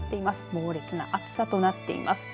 猛烈な暑さとなっています。